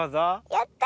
やった！